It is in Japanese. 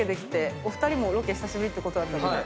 お二人もロケ久しぶりってことだったので。